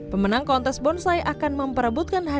pemenang kontes ini adalah tanaman yang berumur paling tua